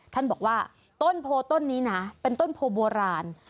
ท่านบอกว่าต้นโพต้นนี้นะเป็นต้นโพโบราณ